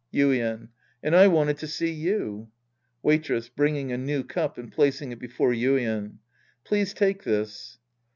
Yuien. And I wanted to see you. Waitress {bringing a new cup and placing it before Yuien). Please take this.